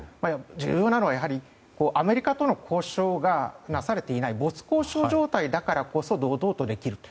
重要なのは、やはりアメリカとの交渉がなされていない没交渉状態だからこそ堂々とできると。